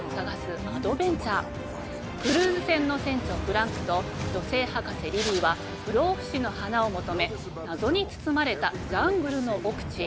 クルーズ船の船長フランクと女性博士リリーは不老不死の花を求め謎に包まれたジャングルの奥地へ。